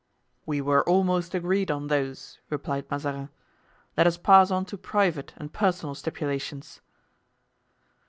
"We were almost agreed on those," replied Mazarin; "let us pass on to private and personal stipulations."